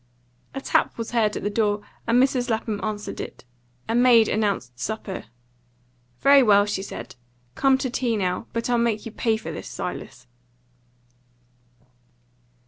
A tap was heard at the door, and Mrs. Lapham answered it. A maid announced supper. "Very well," she said, "come to tea now. But I'll make you pay for this, Silas."